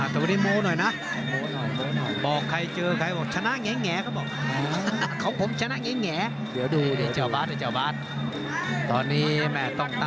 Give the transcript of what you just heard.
ครับก็บอกของผมชนะเงี๋ยเลแว